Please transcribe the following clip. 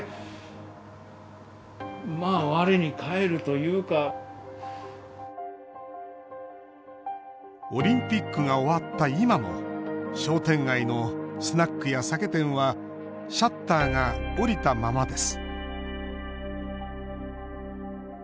しかしオリンピックが終わった今も商店街のスナックや酒店はシャッターが下りたままです